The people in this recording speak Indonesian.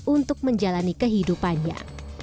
untuk menjalani kehidupannya